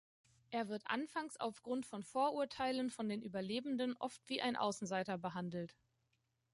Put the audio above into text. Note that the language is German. Er wird anfangs aufgrund von Vorurteilen von den Überlebenden oft wie ein Außenseiter behandelt.